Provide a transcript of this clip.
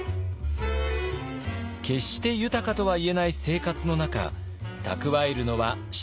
決して豊かとはいえない生活の中蓄えるのは至難の業。